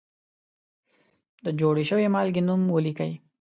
د جوړې شوې مالګې نوم ولیکئ.